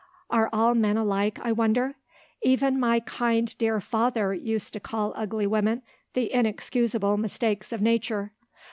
Are all men alike, I wonder? Even my kind dear father used to call ugly women the inexcusable mistakes of Nature.